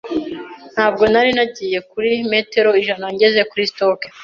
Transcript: Ntabwo nari nagiye kuri metero ijana ngeze kuri stock.